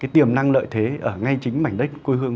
tiềm năng lợi thế ở ngay chính mảnh đất quê hương